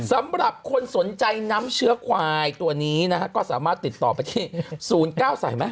สำหรับคนสนใจน้ำเชื้อควายตัวนี้นะฮะก็สามารถติดต่อไปที่๐๙สายไหม